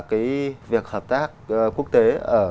cái việc hợp tác quốc tế